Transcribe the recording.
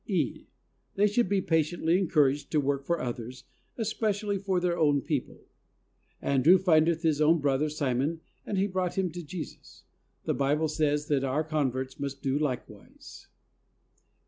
(e.) They should be patiently encouraged to work for others, especially for their own people. "Andrew findeth his own brother Simon, and he brought him to Jesus," the Bible says, and our converts must do like wise.